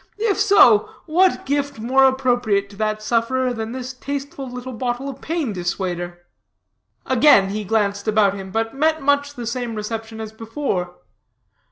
If so, what gift more appropriate to that sufferer than this tasteful little bottle of Pain Dissuader?" Again he glanced about him, but met much the same reception as before.